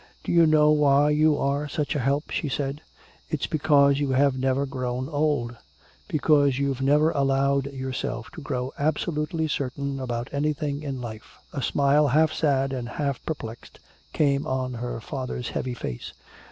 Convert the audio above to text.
"Do you know why you are such a help?" she said. "It's because you have never grown old because you've never allowed yourself to grow absolutely certain about anything in life." A smile half sad and half perplexed came on her father's heavy face.